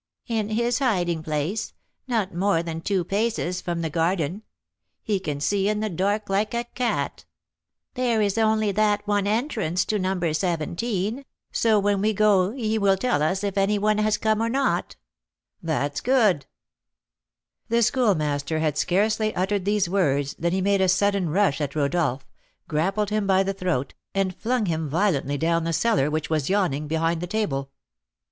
"In his hiding place, not more than two paces from the garden. He can see in the dark like a cat. There is only that one entrance to No. 17, so when we go he will tell us if any one has come or not." "That's good " The Schoolmaster had scarcely uttered these words than he made a sudden rush at Rodolph, grappled him by the throat, and flung him violently down the cellar which was yawning behind the table.